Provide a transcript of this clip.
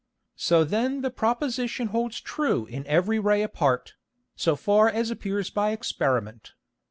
So then the Proposition holds true in every Ray apart, so far as appears by Experiment.